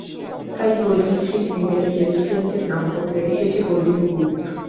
তাই Golden Fleece নিজেদের রেস্টুরেন্টের নাম বদলে রেখেছে গোল্ডেন বুট।